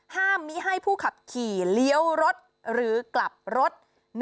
มิให้ผู้ขับขี่เลี้ยวรถหรือกลับรถ